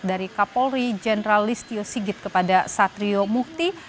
dari kapolri jenderal listio sigit kepada satrio mukti